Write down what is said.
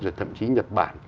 rồi thậm chí nhật bản